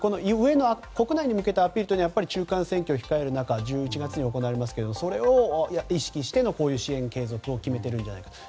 国内に向けたアピールというのは中間選挙を控える中１１月に行われますがそれを意識してこういう支援継続を決めているんじゃないかと。